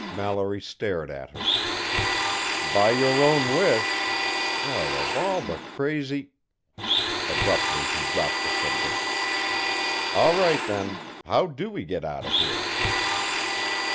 Mallory stared at her. "By your own wish! Well of all the crazy " Abruptly he dropped the subject. "All right then how do we get out of here?"